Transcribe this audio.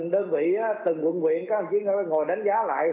để ngày ba mươi tháng sáu chúng ta còn hãy đánh giá lại